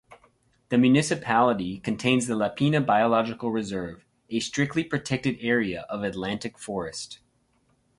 The municipality contains the Lapinha Biological Reserve, a strictly-protected area of Atlantic Forest.